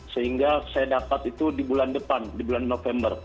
sehingga saya dapat itu di bulan depan di bulan november